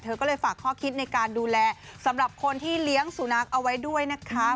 ก็เลยฝากข้อคิดในการดูแลสำหรับคนที่เลี้ยงสุนัขเอาไว้ด้วยนะคะ